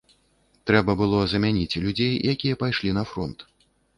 Трэба было замяніць людзей, якія пайшлі на фронт.